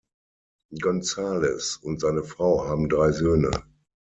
Gonzales und seine Frau haben drei Söhne.